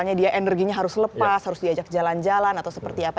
misalnya dia energinya harus lepas harus diajak jalan jalan atau seperti apa